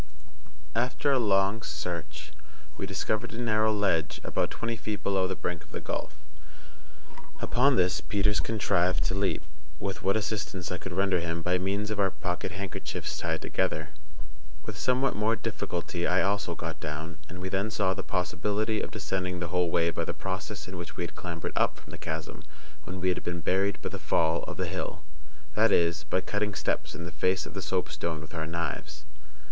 After a long search we discovered a narrow ledge about twenty feet below the brink of the gulf; upon this Peters contrived to leap, with what assistance I could render him by means of our pocket handkerchiefs tied together. With somewhat more difficulty I also got down; and we then saw the possibility of descending the whole way by the process in which we had clambered up from the chasm when we had been buried by the fall of the hill—that is, by cutting steps in the face of the soapstone with our knives.